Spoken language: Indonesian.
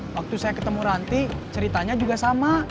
waktu saya ketemu ranti ceritanya juga sama